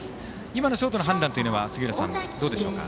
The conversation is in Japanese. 今のショートの判断というのはどうでしょうか。